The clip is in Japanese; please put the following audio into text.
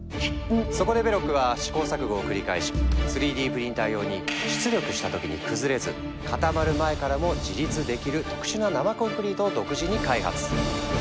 そこでベロックは試行錯誤を繰り返し３Ｄプリンター用に出力した時に崩れず固まる前からも自立できる特殊な生コンクリートを独自に開発。